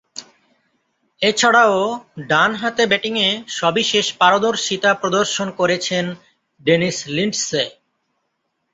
এছাড়াও, ডানহাতে ব্যাটিংয়ে সবিশেষ পারদর্শিতা প্রদর্শন করেছেন ডেনিস লিন্ডসে।